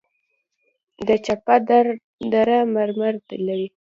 د چپه دره مرمر لري